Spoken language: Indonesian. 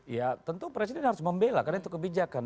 ya tentu presiden harus membela karena itu kebijakan